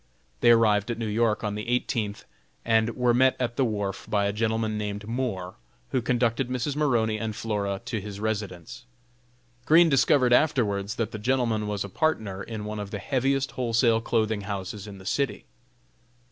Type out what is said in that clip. They arrived at New York on the eighteenth and were met at the wharf by a gentleman named Moore, who conducted Mrs. Maroney and Flora to his residence. Green discovered afterwards that the gentleman was a partner in one of the heaviest wholesale clothing houses in the city.